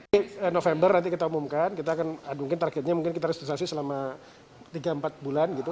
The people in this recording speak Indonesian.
nanti november nanti kita umumkan kita akan mungkin targetnya mungkin kita restruksi selama tiga empat bulan gitu